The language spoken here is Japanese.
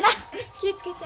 気ぃ付けて。